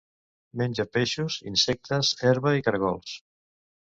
Menja peixos, insectes, herba i caragols.